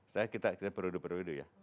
saya kita periode periode ya